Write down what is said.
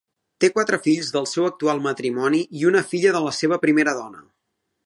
Té quatre fills del seu actual matrimoni i una filla de la seva primera dona.